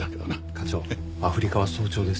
課長アフリカは早朝です。